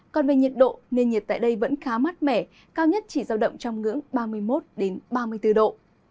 còn về nhiệt độ nền nhiệt tại đây vẫn khá mát mẻ cao nhất chỉ giao động trong ngưỡng ba mươi một ba mươi bốn độ